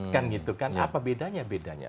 kan gitu kan apa bedanya bedanya